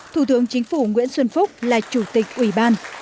thủ tướng chính phủ nguyễn xuân phúc là chủ tịch ủy ban